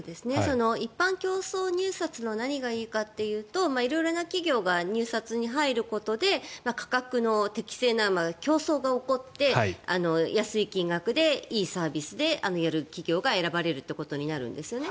一般競争入札の何がいいかというと色々な企業が入札に入ることで価格の適正な競争が起こって安い金額でいいサービスでやる企業が選ばれるということになるんですよね。